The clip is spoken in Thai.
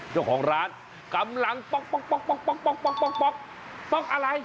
เจ้าของร้านกำลังป๊อกป๊อกอะไร